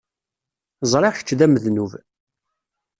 Ẓriɣ kečč d amednub.